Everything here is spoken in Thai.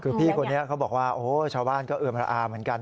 คือพี่คนนี้เขาบอกว่าโอ้โหชาวบ้านก็เอือมระอาเหมือนกัน